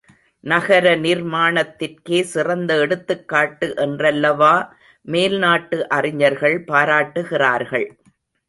நகர நிர்மாணத்திற்கே சிறந்த எடுத்துக்காட்டு என்றல்லவா மேல்நாட்டு அறிஞர்கள் பாராட்டுகிறார்கள்.